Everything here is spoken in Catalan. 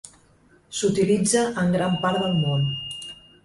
S'utilitza en gran part del món.